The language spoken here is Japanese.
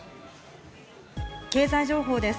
経済情報です。